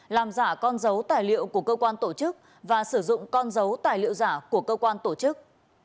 làm giả con dấu tài liệu của cơ quan tổ chức và sử dụng con dấu tài liệu giả của cơ quan tổ chức